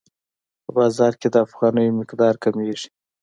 په بازار کې د افغانیو مقدار کمیږي.